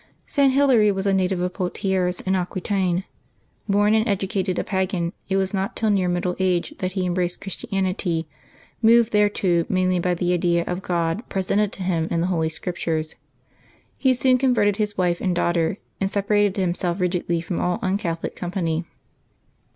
[t. Hilary was a native of Poitiers in Aquitaine. Born and educated a pagan, it was not till near middle age that he embraced Christianity, moved thereto mainly by the idea of God presented to him in the Holy Scriptures. He soon converted his wife and daughter, and separated himself rigidly from all un Catholic com pany.